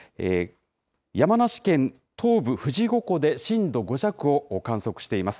山梨県東部富士五湖で震度５弱を観測しています。